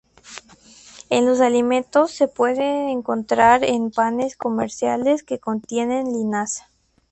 En los alimentos, se puede encontrar en panes comerciales que contienen linaza.